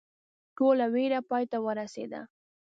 ټوله ویره پای ته ورسېده.